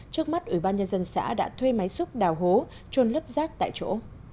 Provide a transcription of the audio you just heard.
trước mắt ủy ban nhân dân xã đã thuê máy xúc đào hố trôn lấp rác tại chỗ